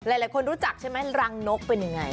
หลายคนรู้จักใช่ไหมรังนกเป็นยังไง